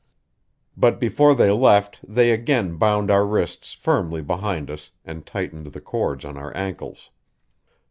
But before they left they again bound our wrists firmly behind us, and tightened the cords on our ankles.